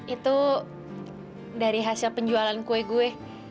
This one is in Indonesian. itu dari hasil penjualan kue kue